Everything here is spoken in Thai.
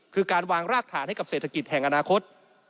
คือการวางรากฐานให้กับเศรษฐกิจแห่งอนาคต